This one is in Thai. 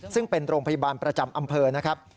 ซึ่งเป็นโรงพยาบาลประจำอำเภอนะครับ